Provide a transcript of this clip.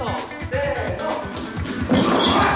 ・せの！